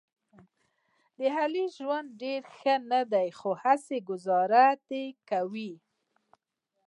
د علي ژوند ډېر ښه نه دی، خو هسې ګوزاره ده کوي یې.